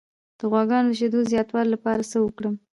د غواګانو د شیدو زیاتولو لپاره څه وکړم؟